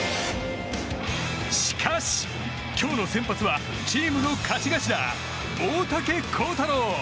しかし今日の先発はチームの勝ち頭、大竹耕太郎！